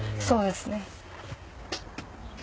そうですね。